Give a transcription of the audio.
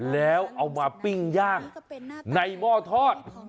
แล้วเอามาปิ้งย่างในหม้อทอด